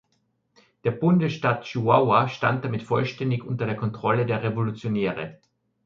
Der Bundesstaat Chihuahua stand damit vollständig unter der Kontrolle der Revolutionäre.